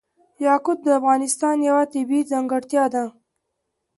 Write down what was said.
یاقوت د افغانستان یوه طبیعي ځانګړتیا ده.